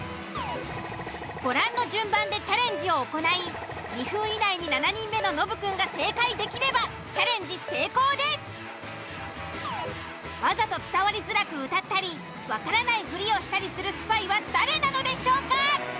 ご覧の順番でチャレンジを行い２分以内にわざと伝わりづらく歌ったりわからないフリをしたりするスパイは誰なのでしょうか？